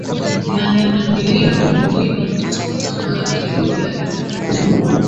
na ni milima milima katika baadhi ya wilaya zake